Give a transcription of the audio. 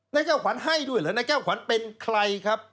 นายแก้วขวัญให้ด้วยเหรอนายแก้วขวัญเป็นใครครับ